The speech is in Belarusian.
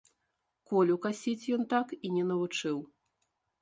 Колю касіць ён так і не навучыў.